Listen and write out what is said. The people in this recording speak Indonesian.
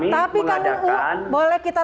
tapi kang uu boleh kita